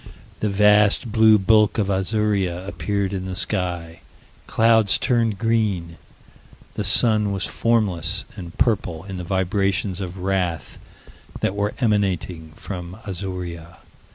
The vast blue bulk of Azuria appeared in the sky. Clouds turned green. The sun was formless and purple in the vibrations of wrath that were emanating from Azuria.